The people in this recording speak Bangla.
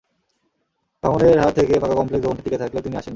ভাঙনের হাত থেকে পাকা কমপ্লেক্স ভবনটি টিকে থাকলেও তিনি আসেন না।